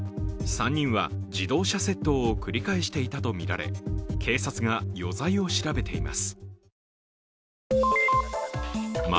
３人は自動車窃盗を繰り返していたとみられ警察が余罪を調べています。